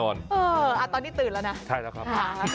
ตอนนี้ตื่นแล้วนะใช่แล้วครับ